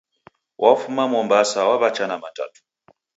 W'afuma Mombasa, waw'acha na Matatu.